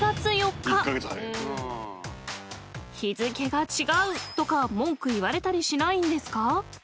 ［「日付が違う！」とか文句言われたりしないんですか？］